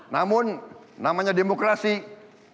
namun saya ingin mengucapkan terima kasih kepada pak joko widodo